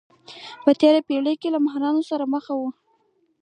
په تېره پېړۍ کې له بحران سره مخ وو.